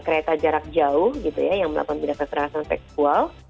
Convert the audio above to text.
kereta jarak jauh gitu ya yang melakukan tindak kekerasan seksual